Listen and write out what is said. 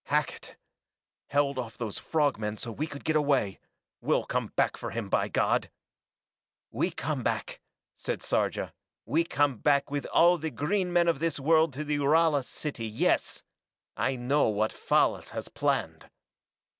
"Hackett! Held off those frog men so we could get away we'll come back for him, by God!" "We come back!" said Sarja. "We come back with all the green men of this world to the Ralas' city, yes! I know what Fallas has planned."